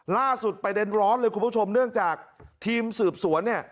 ประเด็นร้อนเลยคุณผู้ชมเนื่องจากทีมสืบสวนเนี่ย